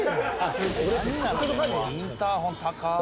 「インターホン高っ」